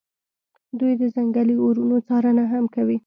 دوی د ځنګلي اورونو څارنه هم کوي